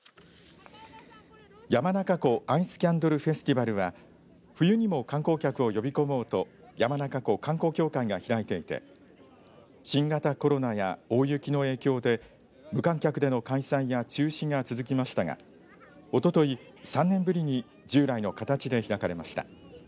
山中湖アイスキャンドルフェスティバルは冬にも観光客を呼び込もうと山中湖観光協会が開いていて新型コロナや大雪の影響で無観客での開催や中止が続きましたがおととい３年ぶりに従来の形で開かれました。